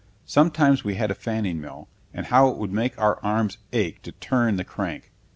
Sometimes we had a fanning mill, and how it would make my arms ache to turn the crank!